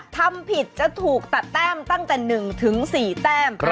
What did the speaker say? ทำผิดจะถูกตัดแต้มตั้งแต่๑๔แต้ม